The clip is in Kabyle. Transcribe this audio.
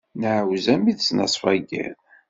Nɛawez armi d ttnaṣfa n yiḍ.